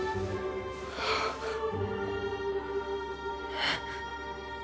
えっ。